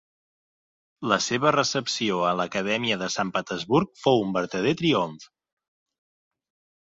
La seva recepció en l'Acadèmia de Sant Petersburg fou un vertader triomf.